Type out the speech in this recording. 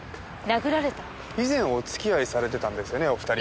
以前お付き合いされてたんですよねお二人は。